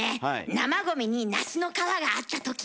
生ゴミに梨の皮があったとき。